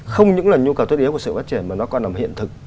không những là nhu cầu tất yếu của sự phát triển mà nó còn nằm hiện thực